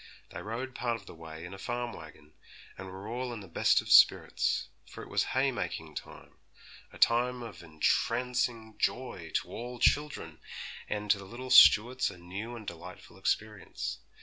They rode part of the way in a farm waggon, and were all in the best of spirits, for it was haymaking time, a time of entrancing joy to all children, and to the little Stuarts a new and delightful experience.